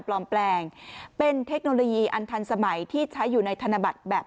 ปลอมแปลงเป็นเทคโนโลยีอันทันสมัยที่ใช้อยู่ในธนบัตรแบบ